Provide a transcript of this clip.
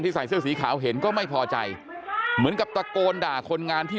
ใส่เสื้อสีขาวเห็นก็ไม่พอใจเหมือนกับตะโกนด่าคนงานที่